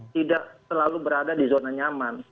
tidak selalu berada di zona nyaman